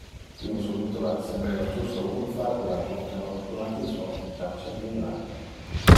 Qui in su vita accendeva un justo un facula contra le obscurantismo, jam serviva.